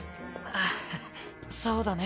あははっそうだね。